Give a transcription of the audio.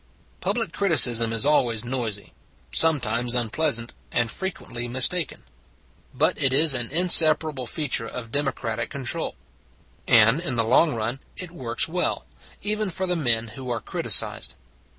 Public criticism is always noisy, some 208 It s a Good Old World times unpleasant, and frequently mistaken: but it is an inseparable feature of demo cratic control. And, in the long run, it works well even for the men who are criticized.